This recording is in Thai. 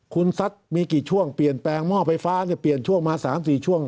คุณซัดมีกี่ช่วงเปลี่ยนแปลงหม้อไฟฟ้าเนี่ยเปลี่ยนช่วงมา๓๔ช่วง